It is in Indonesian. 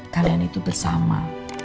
kalian itu bersama